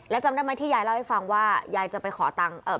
แล้วจำได้ไหมที่ยายเล่าให้ฟังว่ายายจะไปขอตังค์